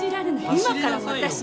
今から私に。